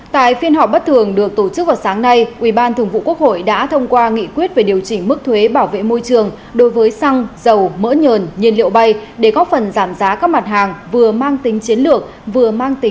tại phiên họp ubthqh đã biểu quyết thông qua sự thảo nghị quyết với tỷ lệ tán thành đạt một trăm linh